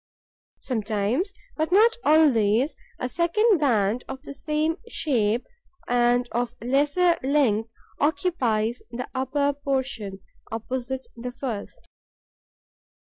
Sometimes, but not always, a second band of the same shape and of lesser length occupies the upper portion, opposite the first.